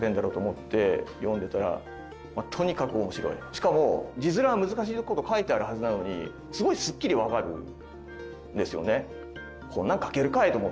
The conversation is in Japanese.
しかも字面は難しいこと書いてあるはずなのにすごいすっきり分かるんですよね。